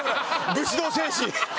武士道精神。